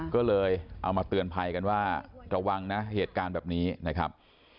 ก็เลยเอามาเตือนภัยกันว่าระวังนะเหตุการณ์แบบนี้นะครับ